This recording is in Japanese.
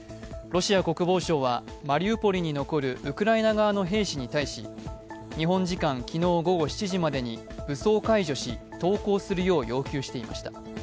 ロシア国防省はマリウポリに残るウクライナ側の兵士に対し日本時間昨日午後７時までに武装解除し、投降するよう要求していました。